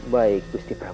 baik gusti prabu